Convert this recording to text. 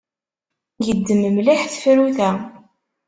Tgezzem mliḥ tefrut-a.